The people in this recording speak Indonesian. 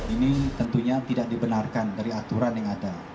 ini tentunya tidak dibenarkan dari aturan yang ada